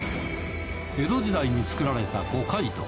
江戸時代に作られた五街道。